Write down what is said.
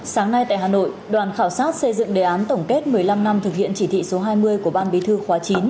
sáng nay tại hà nội đoàn khảo sát xây dựng đề án tổng kết một mươi năm năm thực hiện chỉ thị số hai mươi của ban bí thư khóa chín